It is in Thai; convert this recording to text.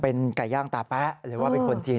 เป็นไก่ย่างตาแป๊ะหรือว่าเป็นคนจีน